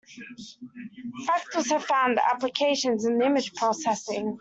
Fractals have found applications in image processing.